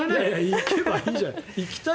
行けばいいじゃない。